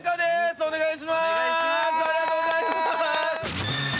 お願いします。